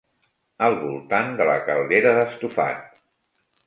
Al voltant de la caldera d'estofat